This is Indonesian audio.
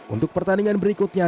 untuk pertandingan berikutnya